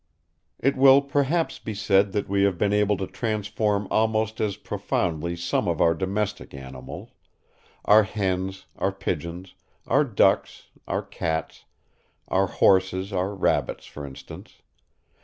It will, perhaps, be said that we have been able to transform almost as profoundly some of our domestic animals: our hens, our pigeons, our ducks, our cats, our horses, our rabbits, for instance.